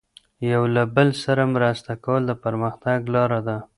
یو له بل سره مرسته کول د پرمختګ لاره ده.